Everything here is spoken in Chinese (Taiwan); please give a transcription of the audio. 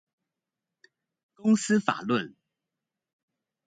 公司法論